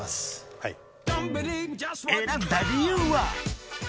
はい選んだ理由は？